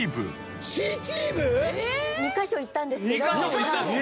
２カ所も行ったんですか？